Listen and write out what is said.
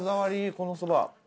このそば。